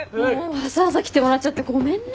わざわざ来てもらっちゃってごめんね。